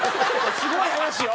すごい話よ